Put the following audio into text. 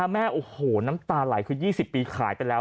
แม่โอ้โหน้ำตาไหลคือ๒๐ปีขายไปแล้ว